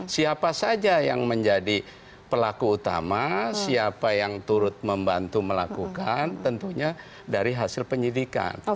siapa saja yang menjadi pelaku utama siapa yang turut membantu melakukan tentunya dari hasil penyidikan